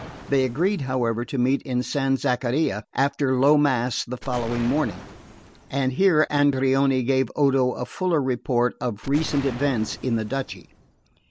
They agreed, however, to meet in San Zaccaria after low mass the next morning, and here Andreoni gave Odo a fuller report of recent events in the duchy.